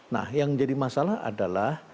nah yang jadi masalah adalah